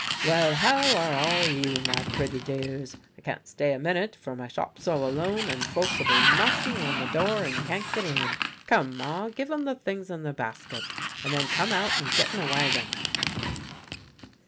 "Well, how are you all, my pretty dears? I can't stay a minute, for my shop's all alone, an' folks'll be knocking on the door an' can't get in. Come, Ma, give 'em the things in the basket, and then come out an' get in the wagon."